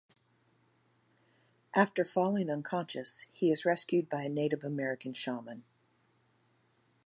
After falling unconscious, he is rescued by a Native American shaman.